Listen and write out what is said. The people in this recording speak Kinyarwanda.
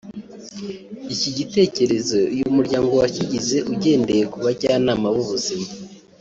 Iki gitekerezo uyu muryango wakigize ugendeye ku bajyanama b’ubuzima